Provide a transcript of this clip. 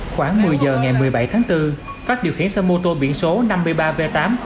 khoảng một mươi giờ ngày một mươi bảy tháng bốn pháp điều khiển xe mô tô biển số năm mươi ba v tám mươi nghìn ba trăm sáu mươi bảy